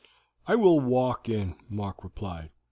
"I will walk in," Mark replied.